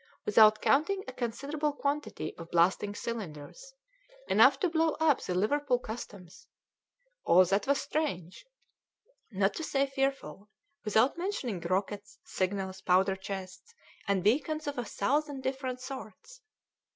without counting a considerable quantity of blasting cylinders, enough to blow up the Liverpool Customs all that was strange, not to say fearful, without mentioning rockets, signals, powder chests, and beacons of a thousand different sorts.